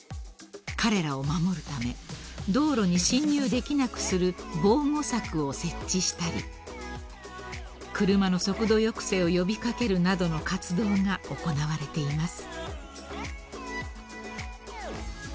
［彼らを守るため道路に侵入できなくする防護柵を設置したり車の速度抑制を呼び掛けるなどの活動が行われています］